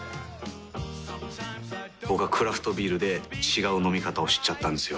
僕はクラフトビールで違う飲み方を知っちゃったんですよ。